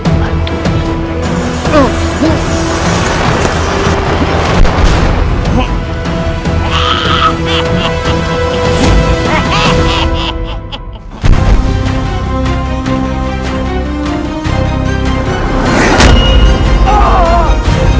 hingga tidak pernah memikirkan